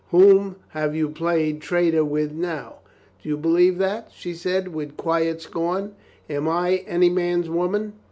Whom have you played traitor with now?" "Do you believe that?" she said with quiet scorn. "Am I any man's woman?